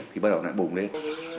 thì bắt đầu là bùng lên